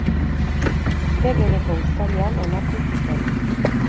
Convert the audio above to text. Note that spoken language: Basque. Urte bereko uztailean onartu zuten.